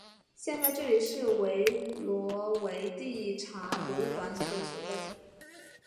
现在这里是维罗维蒂察博物馆的所在地。